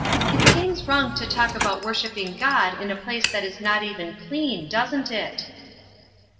It seems wrong to talk about worshipping God in a place that is not even clean, doesn't it